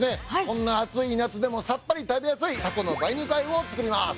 こんな暑い夏でもさっぱり食べやすいタコの梅肉和えを作ります。